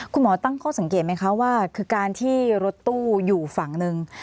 คุณหมอตั้งข้อสังเกตไหมคะว่าคือการที่รถตู้อยู่ฝั่งหนึ่ง